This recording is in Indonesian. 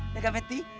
nih kan meti